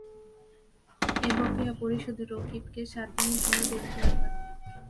এই বকেয়া পরিশোধে রবিকে সাত দিনের সময় বেঁধে দেওয়া হয়।